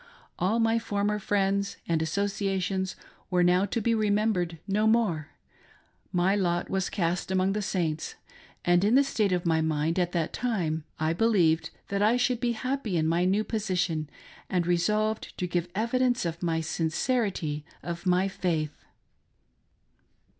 All my former friends and associations were now to be remembered no more : my lot was cast among^the Saints ; and in the state of my mind at that time, I believed that I should be happy in my new position, and resolved to give evidence of the sincerity of my faith.